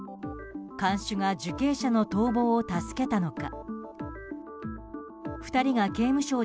看守が受刑者の逃亡を助けたのか。